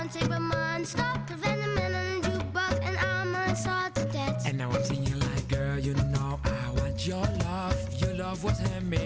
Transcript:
terima kasih banyak banyak